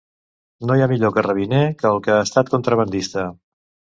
No hi ha millor carrabiner que el que ha estat contrabandista.